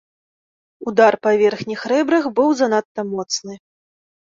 Удар па верхніх рэбрах быў занадта моцны.